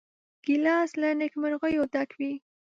ګیلاس له نیکمرغیو ډک وي.